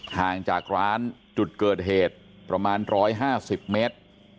ห่างจากร้านจุดเกิดเหตุประมาณ๑๕๐เมตร